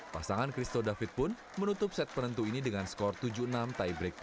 pasangan christo david pun menutup set penentu ini dengan skor tujuh puluh enam tiebreak dua